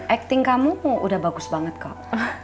acting kamu udah bagus banget kok